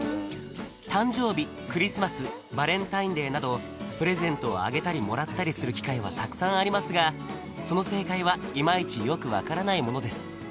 誕生日クリスマスバレンタインデーなどプレゼントをあげたりもらったりする機会はたくさんありますがその正解はイマイチよく分からないものです